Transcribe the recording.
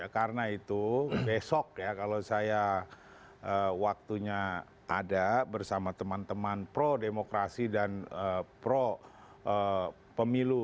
karena itu besok ya kalau saya waktunya ada bersama teman teman pro demokrasi dan pro pemilu